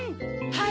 はい。